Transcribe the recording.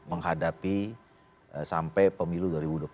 menghadapi sampai pemilu dua ribu dua puluh empat